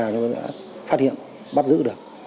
chúng tôi đã phát hiện bắt giữ được